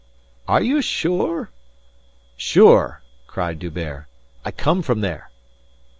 "Are you sure?" "Sure!" cried D'Hubert. "I come from there."